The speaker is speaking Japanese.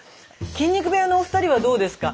筋肉部屋のお二人はどうですか？